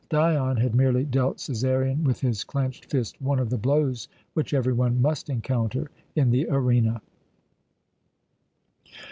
Dion had merely dealt Cæsarion with his clenched fist one of the blows which every one must encounter in the arena.